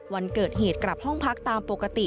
วันเกิดเหตุกลับห้องพักตามปกติ